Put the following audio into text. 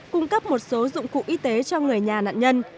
cung cấp một số dụng cụ y tế cho người nhà nạn nhân